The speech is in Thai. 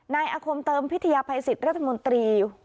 นายอาคมเติมพิทยาภัยสิทธิ์รัฐมนตรี